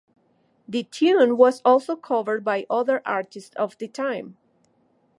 The tune was also covered by other artists of the time.